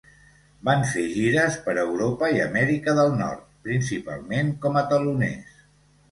Van fer gires per Europa i Amèrica del Nord, principalment com a teloners.